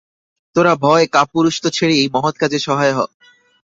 তোরা ভয় কাপুরুষতা ছেড়ে এই মহৎ কাজে সহায় হ।